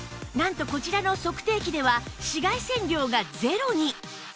なんとこちらの測定器では紫外線量がゼロに！